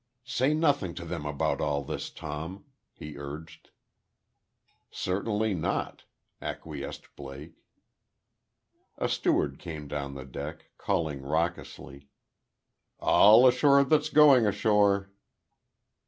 "Say nothing to them about all this, Tom," he urged. "Certainly not," acquiesced Blake. A steward came down the deck, calling raucously: "All ashore that's going ashore!"